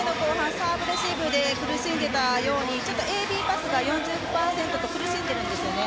サーブレシーブで苦しんでいたようにＢパスが４０％と苦しんでいるんですね。